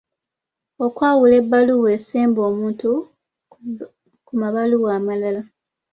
Okwawula ebbaluwa esemba omuntu ku mabaluwa amalala.